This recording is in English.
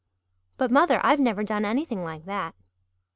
"But, mother I've never done anything like that."